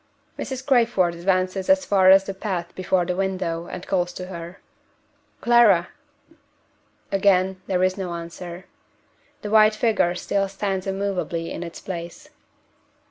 Mrs. Crayford advances as far as the path before the window, and calls to her. "Clara!" Again there is no answer. The white figure still stands immovably in its place.